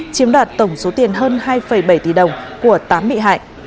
chiếm đoạt tổng số tiền hơn hai bảy tỷ đồng của tám bị hại